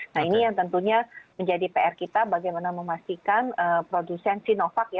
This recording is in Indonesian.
nah ini yang tentunya menjadi pr kita bagaimana memastikan produsen sinovac